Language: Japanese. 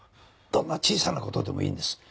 どんな小さな事でもいいんです。